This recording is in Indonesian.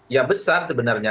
yang besar sebenarnya